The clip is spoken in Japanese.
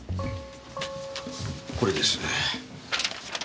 これです。